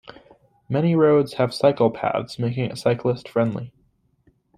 Many roads have cycle paths making it cyclist friendly.